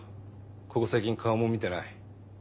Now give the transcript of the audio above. ここ最近顔も見てない。